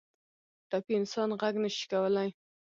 ټپي انسان غږ نه شي کولی.